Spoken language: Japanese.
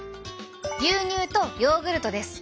牛乳とヨーグルトです。